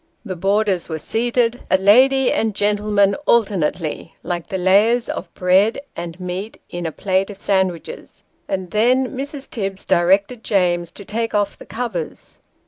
The boarders were seated, a lady and gentleman alternately, like the layers of bread and meat in a plate of sandwiches ; and then Mrs. Tibbs directed James to take off the covers.